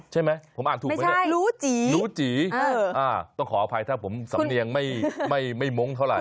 ใช่ไหมผมอ่านถูกไหมเนี่ยรู้จีรู้จีต้องขออภัยถ้าผมสำเนียงไม่มงคเท่าไห